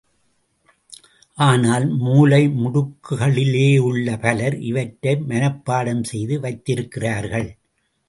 ஆனால், மூலை முடுக்குகளிலேயுள்ள பலர் இவற்றை மனப்பாடம் செய்து வைத்திருக்கிறார்கள்.